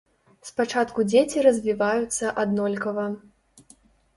Спачатку дзеці развіваюцца аднолькава.